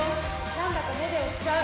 なんだか目で追っちゃう。